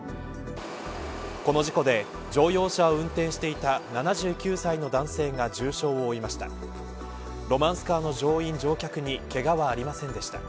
この事故で乗用車を運転していた７９歳の男性が重傷を負いました。